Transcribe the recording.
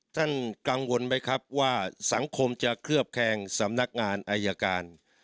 ท่านกังวลไหมครับว่าสังคมจะเคลือบแคงสำนักงานอายการ